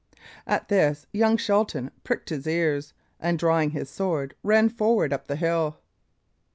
At this young Shelton pricked his ears, and drawing his sword, ran forward up the hill.